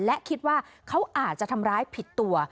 และคิดว่าเขาอาจจะทำร้ายผิดตัว